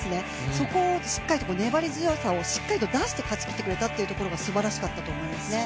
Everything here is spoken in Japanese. そこをしっかりと粘り強さをしっかり出して勝ちきってくれたというところがすばらしかったと思いますね。